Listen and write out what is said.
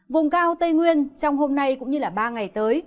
vùng cao tây nguyên trong hôm nay cũng như ba ngày tới